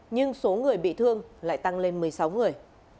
nhưng số người bị thương lại tăng lên một mươi sáu người